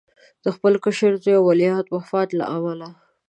د خپل کشر زوی او ولیعهد وفات له امله.